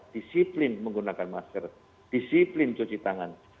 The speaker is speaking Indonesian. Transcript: disiplin menggunakan masker disiplin cuci tangan